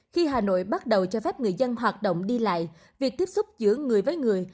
khi hà nội bắt đầu cho phép người dân hoạt động đi lại việc tiếp xúc giữa người với người